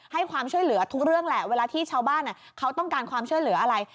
ความช่วยเหลือทุกเรื่องแหละเวลาที่ชาวบ้านเขาต้องการความช่วยเหลืออะไร